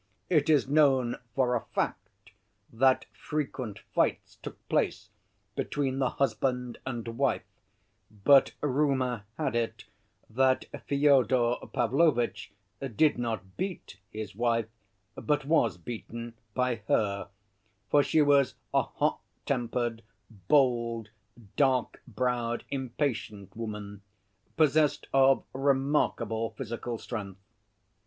It is known for a fact that frequent fights took place between the husband and wife, but rumor had it that Fyodor Pavlovitch did not beat his wife but was beaten by her, for she was a hot‐tempered, bold, dark‐browed, impatient woman, possessed of remarkable physical strength.